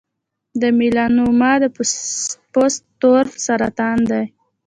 د میلانوما د پوست تور سرطان دی.